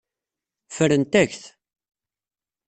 Ffrent-ak-t.